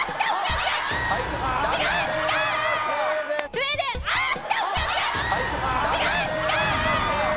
違う！